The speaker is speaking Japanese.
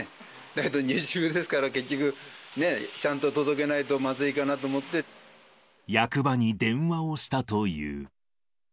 だけど二重ですから、結局ね、ちゃんと届けないとまずいかなと役場に電話をしたという。